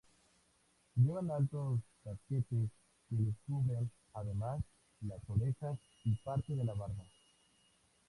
Llevan altos casquetes que les cubren, además, las orejas y parte de la barba.